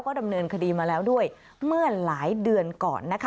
ดำเนินคดีมาแล้วด้วยเมื่อหลายเดือนก่อนนะคะ